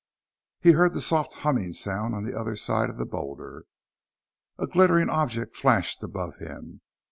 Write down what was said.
He heard the soft humming sound on the other side of the boulder. A glittering object flashed above him.